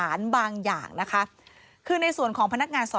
โปรดติดตามต่างกรรมโปรดติดตามต่างกรรม